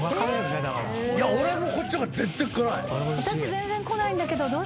私全然こないんだけど。